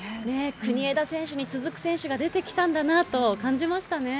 国枝選手に続く選手が出てきたんだなと感じましたね。